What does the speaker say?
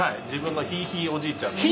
自分のひいひいおじいちゃん。